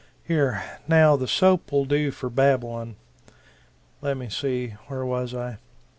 Here, now the soap will do for Babylon. Let me see where was I?